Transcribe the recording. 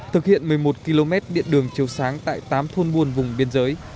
thực hiện một mươi một km điện đường chiếu sáng tại tám thôn buồn vùng biên giới